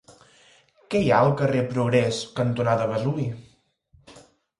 Què hi ha al carrer Progrés cantonada Vesuvi?